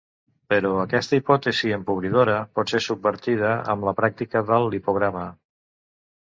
Però aquesta hipòtesi empobridora pot ser subvertida amb la pràctica del lipograma.